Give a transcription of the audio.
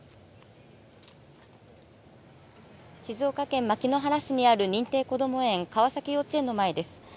静岡県牧之原市にある認定こども園、川崎幼稚園の前です。